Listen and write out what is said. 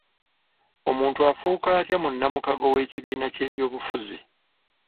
Omuntu afuuka atya munnamukago w'ekibiina ky'ebyobufuzi?